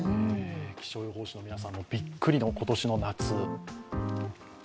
気象予報士の皆さんもビックリの今年の夏。